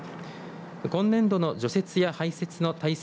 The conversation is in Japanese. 今年度の除雪や排雪の対策